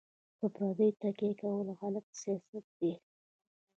په پردیو تکیه کول غلط سیاست دی.